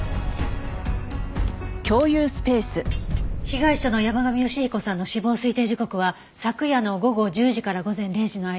被害者の山神芳彦さんの死亡推定時刻は昨夜の午後１０時から午前０時の間。